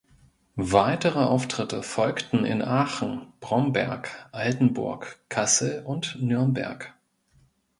Weitere Auftritte folgten in Aachen, Bromberg, Altenburg, Kassel und Nürnberg.